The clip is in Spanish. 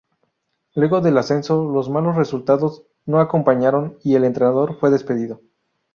Luego del ascenso los malos resultados no acompañaron y el entrenador fue despedido.